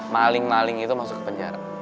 maling maling itu masuk ke penjara